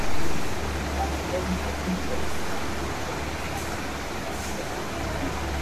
Bainu gelen sekuentzia erregularreko gelarik beroena zen.